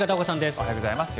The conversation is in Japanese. おはようございます。